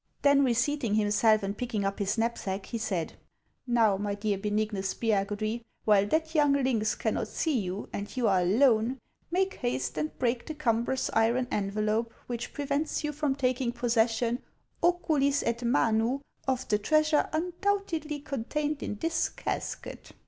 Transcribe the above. Then reseating himself and picking up his knapsack, he said :" Xow, my dear Benignus Spiagudry, while that young lynx cannot see you, and you are alone, make haste and break the cumbrous iron envelope which pre vents you from taking possession, oculis ct manu, of the treasure undoubtedly contained in this casket.